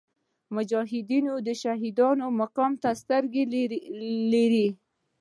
مجاهد د شهیدانو مقام ته سترګې لري.